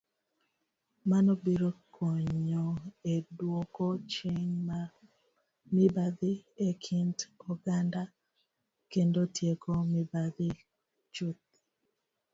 Mano biro konyo e dwoko chien mibadhi e kind oganda, kendo tieko mibadhi chuth.